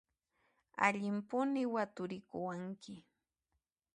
Allimpuni waturikuwanki!